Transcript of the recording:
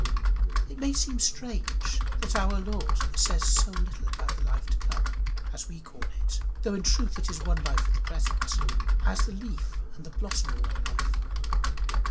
It may seem strange that our Lord says so little about the life to come as we call it though in truth it is one life with the present as the leaf and the blossom are one life.